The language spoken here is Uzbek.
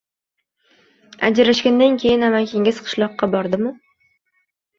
Ajrashganidan keyin amakingiz qishloqqa bordimi